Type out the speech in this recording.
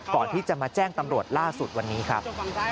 ก่อนที่จะมาแจ้งตำรวจล่าสุดวันนี้ครับ